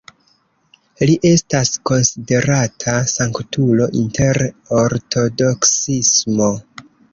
Li estas konsiderata sanktulo inter Ortodoksismo.